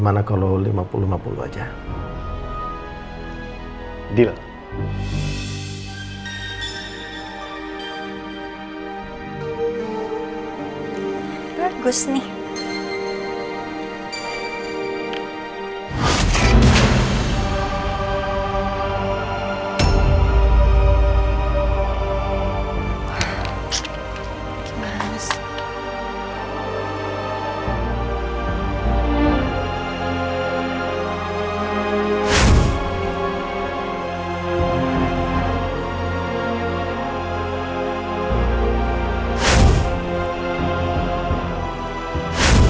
mama akan coba untuk buka lembaran baru